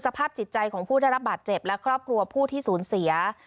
สภาพจิตใจของผู้ได้รับบาดเจ็บและครอบครัวผู้ที่สูญเสีย